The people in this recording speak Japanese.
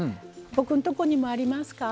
僕のとこにもありますか？